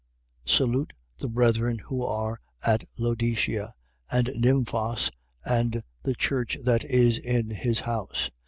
4:15. Salute the brethren who are at Laodicea: and Nymphas and the church that is in his house.